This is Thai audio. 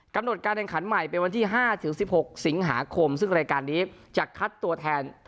กำหนดการแข่งขันใหม่เป็นวันที่๕๑๖สิงหาคมซึ่งรายการนี้จะคัดตัวแทน